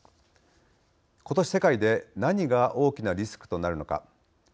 ことし世界で何が大きなリスクとなるのか。